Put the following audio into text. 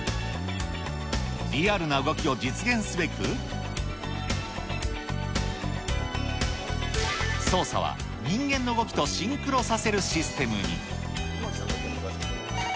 リアルな動きを実現すべく、操作は人間の動きとシンクロさせるシステムに。